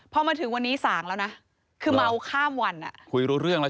พอมาถึงวันนี้สางแล้วนะคือเมาข้ามวันอ่ะ